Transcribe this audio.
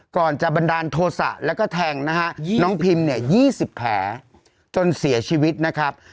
ก่อนจะบันดาลโทษะแล้วก็แทงนะฮะน้องพิมเนี่ย๒๐แผลจนเสียชีวิตนะครับ